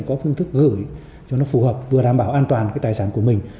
có phương thức gửi cho nó phù hợp vừa đảm bảo an toàn cái tài sản của mình